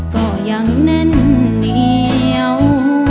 ก็ยังแน่นเหนียว